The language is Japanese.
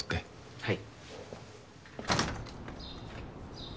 はい。